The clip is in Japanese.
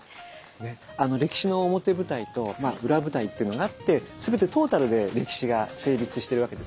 歴史の表舞台と裏舞台というのがあって全てトータルで歴史が成立してるわけですよね。